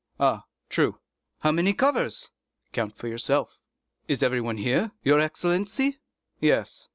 "Ah, true." "How many covers?" "Count for yourself." "Is everyone here, your excellency?" "Yes."